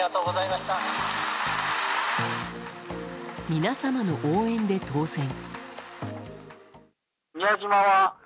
皆様の応援で当選。